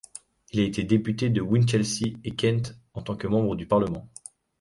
Il a été député de Winchelsea et Kent en tant que Membre du Parlement.